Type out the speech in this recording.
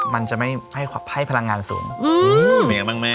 มันจะไม่ให้ขวัดให้พลังงานศูนย์อืมเป็นยังไงมั่งแม่